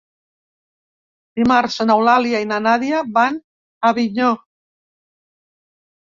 Dimarts n'Eulàlia i na Nàdia van a Avinyó.